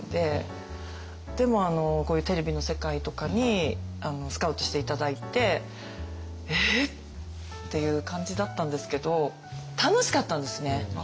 でもこういうテレビの世界とかにスカウトして頂いて「えっ！？」っていう感じだったんですけど楽しかったんですね。